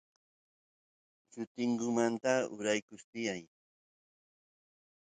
llutingumanta uraykuy tiyan